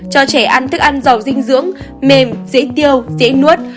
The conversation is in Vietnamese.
cho trẻ ăn thức ăn giàu dinh dưỡng mềm dĩ tiêu dễ nuốt